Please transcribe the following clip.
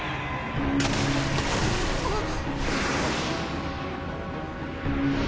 あっ。